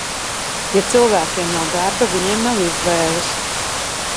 Ja cilvēkiem nav darba, viņiem nav izvēles.